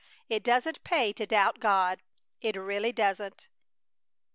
It doesn't pay to doubt God; it really doesn't!"